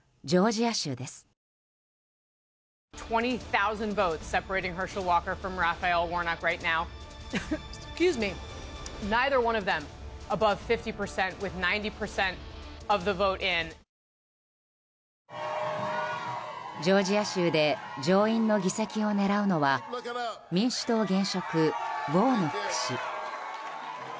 ジョージア州で上院の議席を狙うのは民主党現職ウォーノック氏。